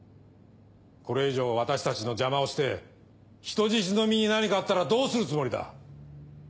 これ以上私たちの邪魔をして人質の身に何かあったらどうするつもりだ？